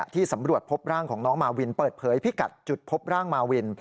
ที่สำรวจพบร่างของน้องมาวินเปิดเผยพิกัดจุดพบร่างมาวิน